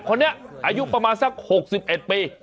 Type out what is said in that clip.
คนนี้อายุประมาณซัก๖๑ปี